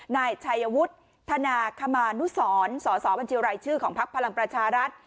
นายชัยวุฒิธนาคมานุสรสอสอบัญชีรายชื่อของพักพลังประชารัฐ